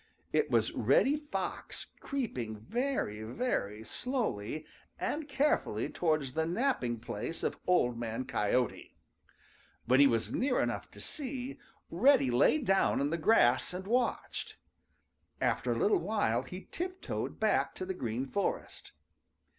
It was Reddy Fox, creeping very, very slowly and carefully towards the napping place of Old Man Coyote. When he was near enough to see, Reddy lay down in the grass and watched. After a little while he tiptoed back to the Green Forest.